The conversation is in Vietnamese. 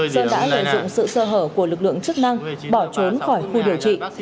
sơn đã lợi dụng sự sơ hở của lực lượng chức năng bỏ trốn khỏi khu điều trị